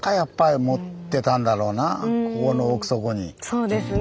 そうですね。